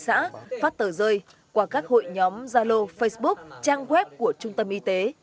xã phát tờ rơi qua các hội nhóm gia lô facebook trang web của trung tâm y tế